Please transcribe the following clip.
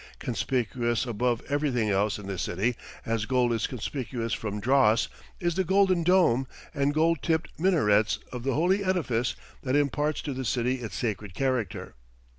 Conspicuous above everything else in the city, as gold is conspicuous from dross, is the golden dome and gold tipped minarets of the holy edifice that imparts to the city its sacred character.